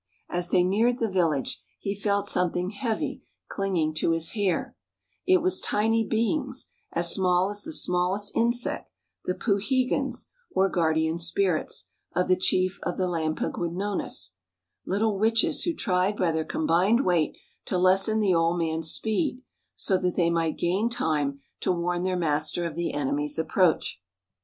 As they neared the village, he felt something heavy clinging to his hair, it was tiny beings, as small as the smallest insect, the poohegans, or guardian spirits, of the chief of the Lampegwinosis, little witches who tried by their combined weight to lessen the old man's speed, so that they might gain time to warn their master of the enemy's approach.